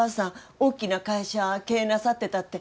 大きな会社経営なさってたって。